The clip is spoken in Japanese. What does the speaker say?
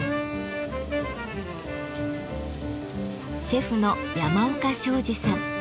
シェフの山岡昌治さん。